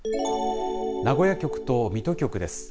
名古屋局と水戸局です。